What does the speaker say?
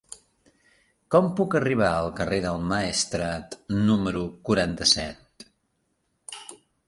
Com puc arribar al carrer del Maestrat número quaranta-set?